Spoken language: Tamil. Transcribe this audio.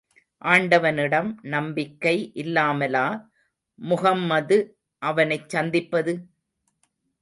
ஆண்டவனிடம் நம்பிக்கை இல்லாமலா, முஹம்மது அவனைச் சந்திப்பது?